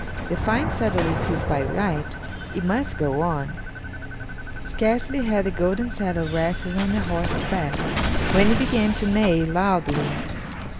The fine saddle is his by right; it must go on." Scarcely had the golden saddle rested on the horse's back when it began to neigh loudly.